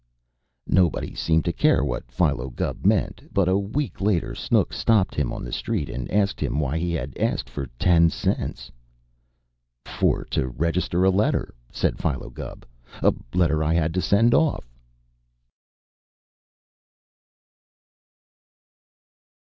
Nobody seemed to care what Philo Gubb meant, but a week later Snooks stopped him on the street and asked him why he had asked for ten cents. "For to register a letter," said Philo Gubb. "A letter I had to send off."